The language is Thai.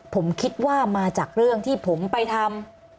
ผมคิดว่ามาจากเรื่องที่ผมไปทำ